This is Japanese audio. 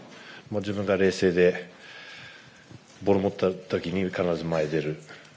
自分が冷静でボール持ったときに必ず前へ出る。